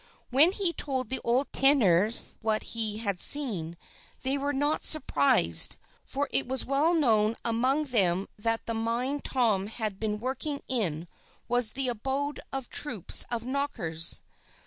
When he told the old tinners what he had seen, they were not surprised, for it was well known among them that the mine Tom had been working in was the abode of troops of Knockers.